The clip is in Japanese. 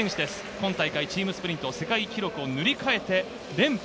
今大会チームスプリント世界記録を塗り替えて連覇。